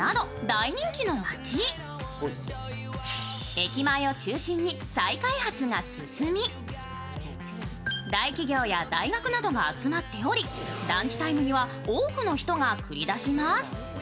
駅前を中心に再開発が進み大企業や大学などが集まっており、ランチタイムには多くの人が繰り出します